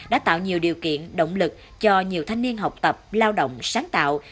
đã tạo nhiều điều kiện động lực cho nhiều thanh niên học tập lao động sáng tạo